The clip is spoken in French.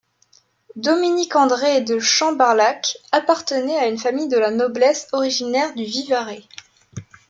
Dominique-André de Chambarlhac appartenait à une famille de la noblesse originaire du Vivarais.